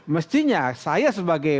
mestinya saya sebagai